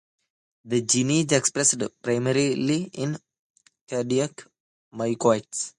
The gene is expressed primarily in cardiac myocytes.